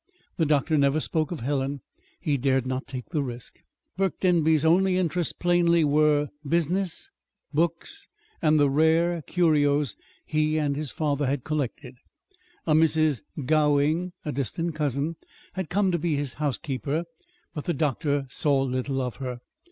The doctor never spoke of Helen. He dared not take the risk. Burke Denby's only interests plainly were business, books, and the rare curios he and his father had collected. A Mrs. Gowing, a distant cousin, had come to be his housekeeper, but the doctor saw little of her.